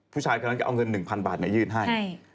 ผู้ชายกันเนี่ยเอาเงิน๑๐๐๐บาทเนี่ยยืนให้